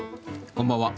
こんばんは。